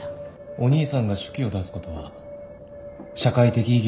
お兄さんが手記を出すことは社会的意義があるんですよ。